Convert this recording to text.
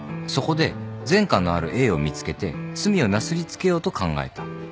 そこで前科のあるＡを見つけて罪をなすり付けようと考えた。